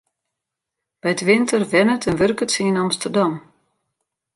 By 't winter wennet en wurket se yn Amsterdam.